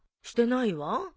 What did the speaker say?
してないわ。